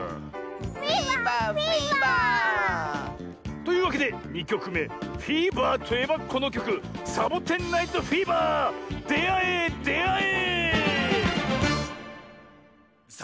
フィーバーフィーバー！というわけで２きょくめフィーバーといえばこのきょく「サボテン・ナイト・フィーバー」であえであえ！